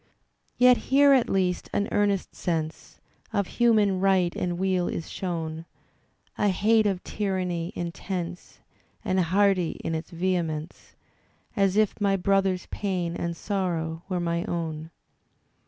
Yet here at least an earnest sense Of human right and weal is shown; A hate of tyranny intense. And hearty in its vehemence. As if my brother's pain and sorrow were my own.